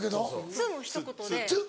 「つ」のひと言で。